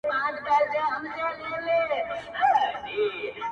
شپه په ورو ورو پخېدلای!